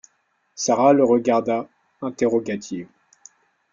Sara le regarda, interrogative.